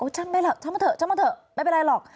ฉันไม่หรอกฉันมาเถอะฉันมาเถอะไม่เป็นไรหรอก